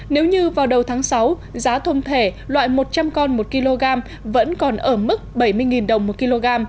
nếu như vào đầu tháng sáu giá tôm thẻ loại một trăm linh con một kg vẫn còn ở mức bảy mươi đồng một kg